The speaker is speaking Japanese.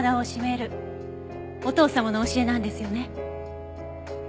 お父様の教えなんですよね？